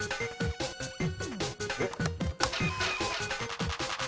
えっ？